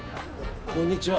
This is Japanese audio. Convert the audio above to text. こんにちは。